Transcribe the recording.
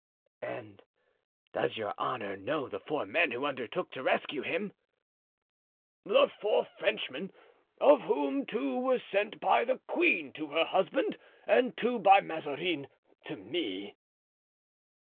"And does your honor know the four men who undertook to rescue him?" "The four Frenchmen, of whom two were sent by the queen to her husband and two by Mazarin to me."